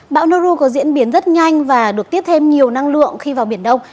bão noru có diễn biến rất nhanh và được tiếp thêm nhiều năng lượng khi vào biển đông